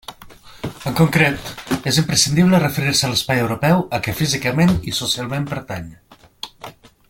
En concret, és imprescindible referir-se a l'espai europeu a què físicament i socialment pertany.